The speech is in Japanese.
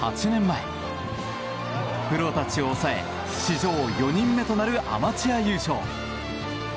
８年前、プロたちを抑え史上４人目となるアマチュア優勝。